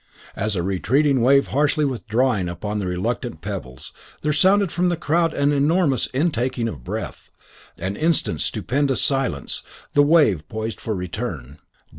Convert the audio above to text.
As a retreating wave harshly withdrawing upon the reluctant pebbles, there sounded from the crowd an enormous intaking of the breath. An instant's stupendous silence, the wave poised for return.